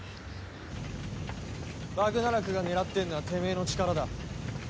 バグナラクが狙ってんのはてめえの力だ。